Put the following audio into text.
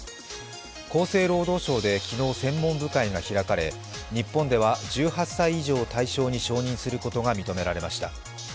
厚生労働省で昨日、専門部会が開かれ日本では１８歳以上を対象に承認されることが認められました。